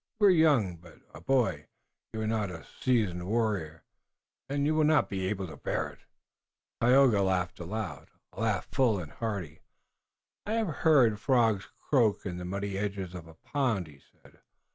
You are young, but a boy, you are not a seasoned warrior, and you will not be able to bear it." Tayoga laughed aloud, a laugh full and hearty. "I have heard frogs croak in the muddy edge of a pond," he said.